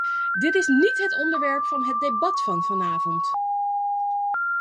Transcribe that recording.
Dit is niet het onderwerp van het debat van vanavond.